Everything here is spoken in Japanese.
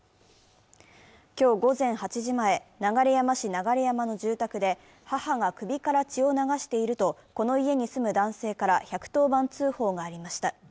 今日午前８時前、流山市流山の住宅で母が首から血を流しているとこの家に住む男性から１１０番通報がありました。